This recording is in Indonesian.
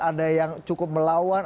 ada yang cukup melawan